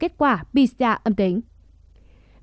kết quả pcr âm tính